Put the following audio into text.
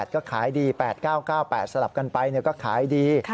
ก็ขายดี๘๙๙๘สลับกันไปก็ขายดี